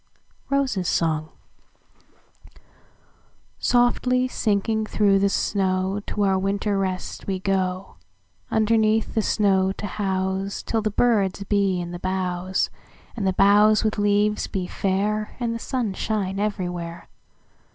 ROSES' SONG"SOFTLY sinking through the snow, To our winter rest we go, Underneath the snow to houseTill the birds be in the boughs, And the boughs with leaves be fair, And the sun shine everywhere.